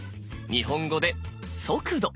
日本語で速度。